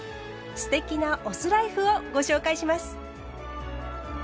“酢テキ”なお酢ライフをご紹介します。